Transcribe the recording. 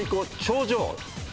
頂上。